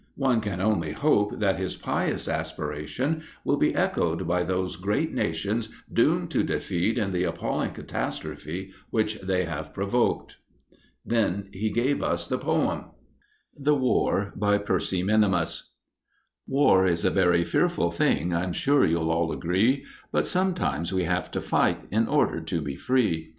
One can only hope that his pious aspiration will be echoed by those great nations doomed to defeat in the appalling catastrophe which they have provoked." Then he gave us the poem. THE WAR BY PERCY MINIMUS War is a very fearful thing, I'm sure you'll all agree, But sometimes we have got to fight in order to be free.